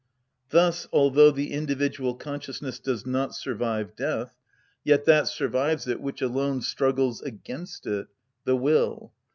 Thus, although the individual consciousness does not survive death, yet that survives it which alone struggles against it—the will.